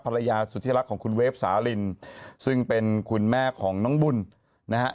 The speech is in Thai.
ภรรยาสุดที่รักของคุณเวฟสาลินซึ่งเป็นคุณแม่ของน้องบุญนะฮะ